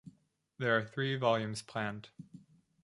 There are three volumes planned.